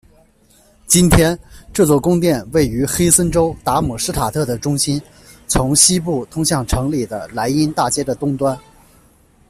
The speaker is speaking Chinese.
今天，这座宫殿位于黑森州达姆施塔特的中心，从西部通向城里的莱茵大街的东端。